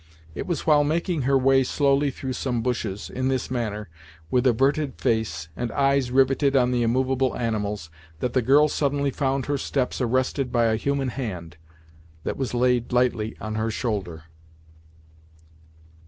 It was while making her way slowly through some bushes, in this manner, with averted face and eyes riveted on the immovable animals, that the girl suddenly found her steps arrested by a human hand, that was laid lightly on her shoulder.